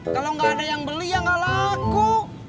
kalau engga ada yang beli ya engga laku